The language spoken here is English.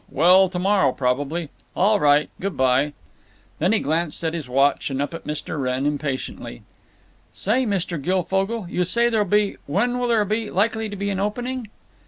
Well, to morrow, probably. All right. Good by." Then he glanced at his watch and up at Mr. Wrenn impatiently. "Say, Mr. Guilfogle, you say there'll be—when will there be likely to be an opening?"